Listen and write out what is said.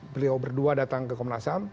beliau berdua datang ke komnas ham